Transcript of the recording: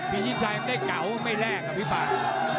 พี่ชิชชัยมันได้เก๋าไม่แรกอะพี่ปัน